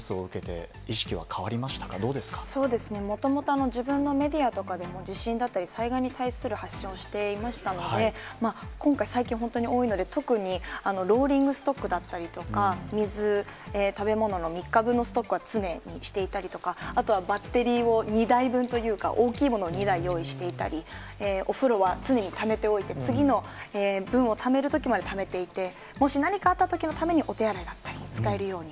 もともと、自分のメディアとかでも、地震だったり災害に対する発信をしていましたので、今回、最近本当に多いので、特にローリングストックだったりとか、水、食べ物の３日分のストックは、常にしていたりとか、あとはバッテリーを２台分というか、大きいものを２台用意していたり、お風呂は常にためておいて、次の分をためるときまでためていて、もし何かあったときのために、お手洗いだったり、使えるように。